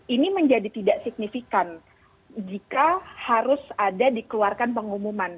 ini menjadi tidak signifikan jika harus ada dikeluarkan pengumuman